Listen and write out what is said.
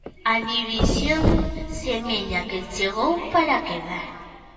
A división semella que chegou para quedar.